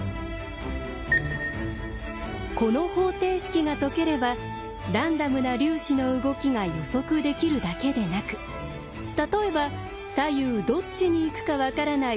この方程式が解ければランダムな粒子の動きが予測できるだけでなく例えば左右どっちに行くか分からない